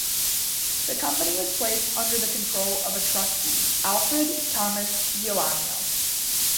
The company was placed under the control of a trustee, Alfred Thomas Giuliano.